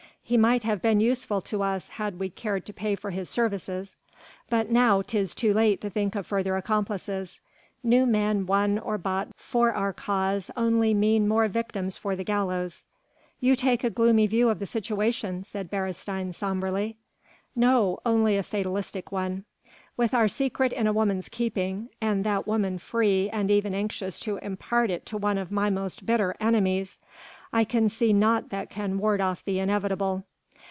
"He might have been useful to us had we cared to pay for his services ... but now 'tis too late to think of further accomplices ... new men won or bought for our cause only mean more victims for the gallows." "You take a gloomy view of the situation," said Beresteyn sombrely. "No! only a fatalistic one. With our secret in a woman's keeping ... and that woman free and even anxious to impart it to one of my most bitter enemies ... I can see nought that can ward off the inevitable."